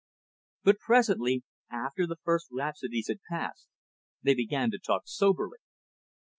But, presently, after the first rhapsodies had passed, they began to talk soberly.